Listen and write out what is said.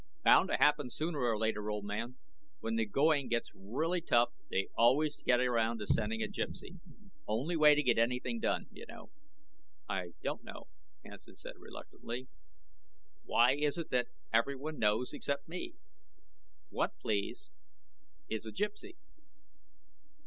"Bound to happen sooner or later, old man. When the going really gets tough they always get around to sending a Gypsy. Only way to get anything done, you know." "I don't know," Hansen said reluctantly. "Why is it that everyone knows except me? What, please, is a Gypsy?"